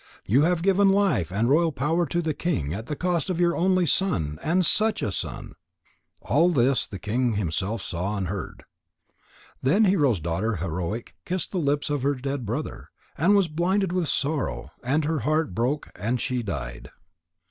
You have given life and royal power to the king at the cost of your only son, and such a son." All this the king himself saw and heard. Then Hero's daughter Heroic kissed the lips of her dead brother, and was blinded with sorrow, and her heart broke, and she died.